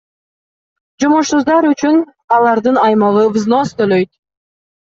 Жумушсуздар үчүн алардын аймагы взнос төлөйт.